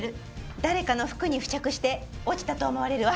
誰かの服に付着して落ちたと思われるわ。